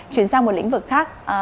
chuyển sang một lĩnh vực khác